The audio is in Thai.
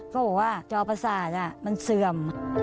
เขาบอกว่าจอประสาทมันเสื่อม